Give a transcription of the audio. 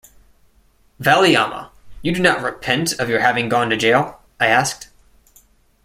'Valliamma, you do not repent of your having gone to jail?' I asked.